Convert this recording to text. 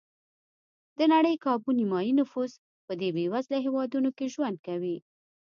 د نړۍ کابو نیمایي نفوس په دې بېوزله هېوادونو کې ژوند کوي.